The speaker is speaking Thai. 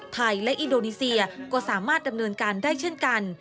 และอินโดนีเซียก็สามารถดำเนินการได้เช่นกัน